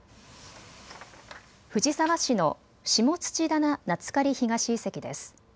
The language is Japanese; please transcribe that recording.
藤沢市の下土棚夏刈東遺跡です。